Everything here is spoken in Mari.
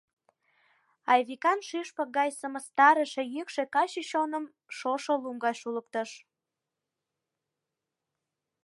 Айвикан шӱшпык гай сымыстарыше йӱкшӧ каче чоным шошо лум гай шулыктыш.